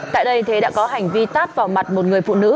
tại đây thế đã có hành vi tát vào mặt một người phụ nữ